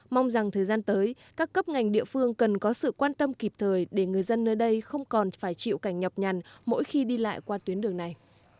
mong rằng thời gian tới các cấp ngành địa phương cần có sự quan tâm kịp thời để người dân nơi đây không còn phải chịu cảnh nhọc nhằn mỗi khi đi lại qua tuyến đường này